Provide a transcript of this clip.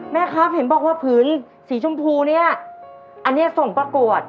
แม่ครับเห็นบอกว่าผืนสีชมพูเนี่ยอันนี้ส่งประกวด